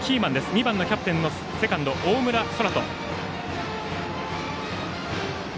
２番のキャプテンのセカンド大村昊澄。